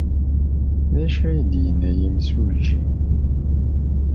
D acu ay d-yenna yemsujji?